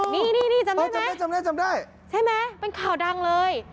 นี่นี่จำได้ไม่จำได้จำได้จำได้ใช่ไหมเป็นข่าวดังเลย